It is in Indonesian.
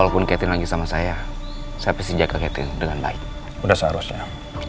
kalaupun ketik lagi sama saya saya bisa jaga ketik dengan baik udah seharusnya